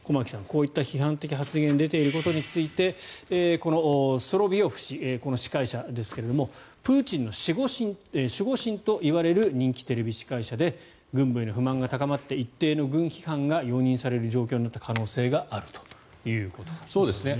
こういった批判的発言が出ていることについてこのソロヴィヨフ氏この司会者ですがプーチンの守護神といわれる人気テレビ司会者で軍部への不満が高まって一定の軍批判が容認される状況になった可能性があるということなんですね。